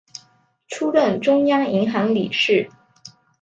出任中央银行理事。